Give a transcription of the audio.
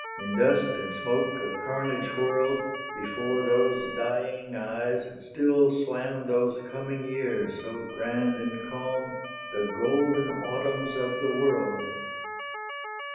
In dust and smoke of carnage whirled, Before those dying eyes still swam Those coming years so grand and calm, The golden Autumns of the world!